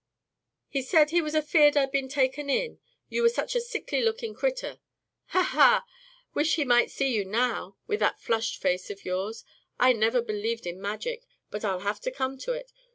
"He said he was 'afeared I'd been taken in, you were such a sickly lookin' critter.' Ha! Ha! Wish he might see you now, with that flushed face of yours. I never believed in magic, but I'll have to come to it.